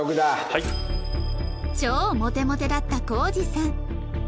超モテモテだったコージさん